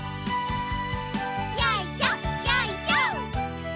よいしょよいしょ。